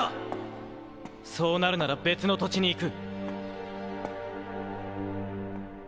そうなるなら別の土地に行く。